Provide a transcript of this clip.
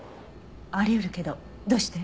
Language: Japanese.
あり得るけどどうして？